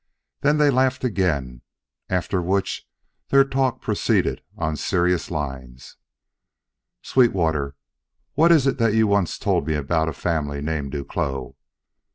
Then they laughed again after which their talk proceeded on serious lines. "Sweetwater, what is that you once told me about a family named Duclos?"